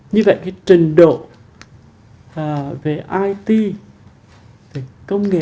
như vậy cái trình độ về it công nghệ kỹ thuật số tất cả các cán bộ công nhân viên